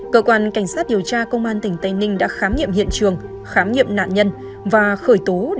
cơ quan cảnh sát điều tra công an tỉnh tây ninh đã khám nghiệm hiện trường khám nghiệm nạn nhân và khởi tố